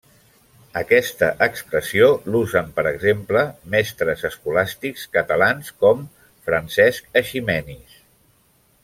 Aquesta expressió l'usen per exemple mestres escolàstics catalans com Francesc Eiximenis.